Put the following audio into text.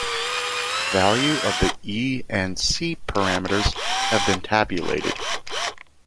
Value of the "E" and "C" parameters have been tabulated.